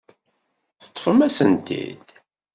Teṭṭfem-asent-t-id.